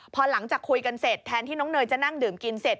พอหลังจากคุยกันเสร็จแทนที่น้องเนยจะนั่งดื่มกินเสร็จ